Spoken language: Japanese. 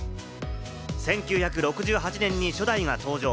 １９６８年に初代が登場。